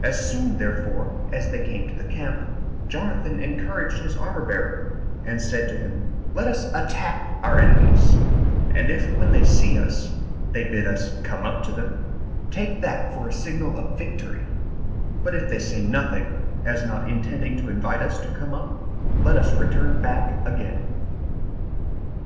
As soon, therefore, as they came to the camp, Jonathan encouraged his armor bearer, and said to him, "Let us attack our enemies; and if, when they see us, they bid us come up to them, take that for a signal of victory; but if they say nothing, as not intending to invite us to come up, let us return back again."